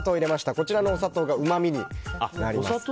このお砂糖がうまみになります。